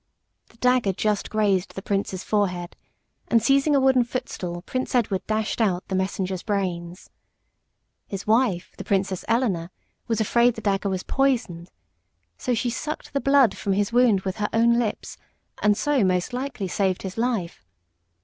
The dagger just grazed the prince's forehead, and seizing a wooden footstool Prince Edward dashed out the messenger's brains. His wife, the Princess Eleanor, was afraid the dagger was poisoned. So she sucked the blood from his wound with her own lips, and so most likely saved his life.